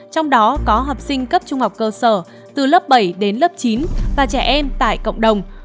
trong đó có học sinh cấp trung học cơ sở từ lớp bảy đến lớp chín và trẻ em tại cộng đồng